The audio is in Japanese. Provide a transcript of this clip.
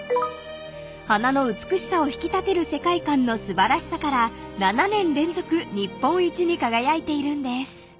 ［花の美しさを引き立てる世界観の素晴らしさから７年連続日本一に輝いているんです］